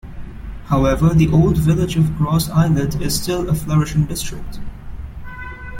However the old village of Gros Islet is still a flourishing district.